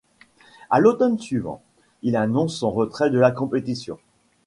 À l'automne suivant, il annonce son retrait de la compétition.